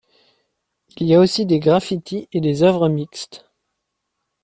Il y a aussi des graffitis et des œuvres mixtes.